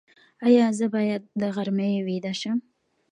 ایا زه باید د غرمې ویده شم؟